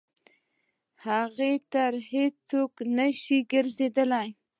هغه ترې هېڅ څوک نه شي ګرځولی.